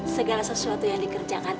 segala sesuatu yang dikerjakan